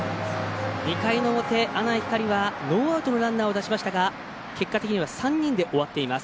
２回表、阿南光はノーアウトのランナーを出しましたが結果的には３人で終わっています。